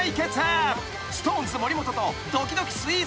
［ＳｉｘＴＯＮＥＳ森本とドキドキスイーツ旅］